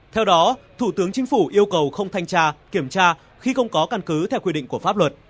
theo đó thủ tướng chính phủ yêu cầu không thanh tra kiểm tra khi không có căn cứ theo quy định của pháp luật